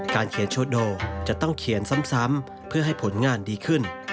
เขียนโชว์โดจะต้องเขียนซ้ำเพื่อให้ผลงานดีขึ้น